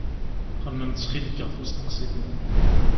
Xemmem ttxil-k ɣef usteqsi-nni.